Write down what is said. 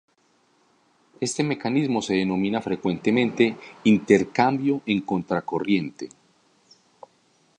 Este mecanismo se denomina frecuentemente intercambio en contracorriente.